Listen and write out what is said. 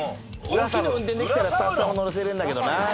大きいの運転できたらスタッフさんも乗せれるんだけどな。